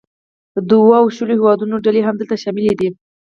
د اوو او شلو هیوادونو ډلې هم دلته شاملې دي